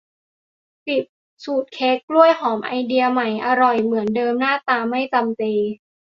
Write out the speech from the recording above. สิบ สูตรเค้กกล้วยหอมไอเดียใหม่ อร่อยเหมือนเดิมหน้าตาไม่จำเจ